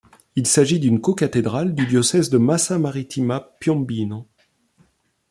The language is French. Il s'agit d'une cocathédrale du diocèse de Massa Marittima-Piombino.